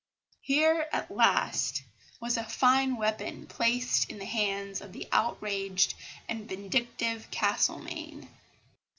Here, at last, was a fine weapon placed in the hands of the outraged and vindictive Castlemaine.